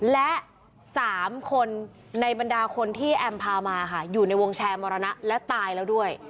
และ๓คนในบรรดาคนที่แอมพามาค่ะอยู่ในวงแชร์มรณะและตายแล้วด้วย